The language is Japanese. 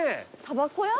たばこ屋？